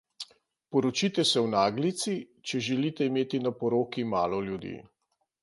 Poročite se v naglici, če želite imeti na poroki malo ljudi.